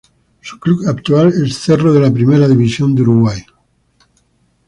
Su club actual es Cerro de la Primera División de Uruguay.